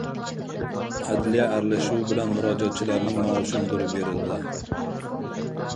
Adliya aralashuvi bilan murojaatchilarning maoshi undirib berildi